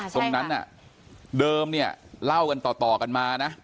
ตรงนั้นเดิมเนี่ยเล่ากันต่อกันมานะ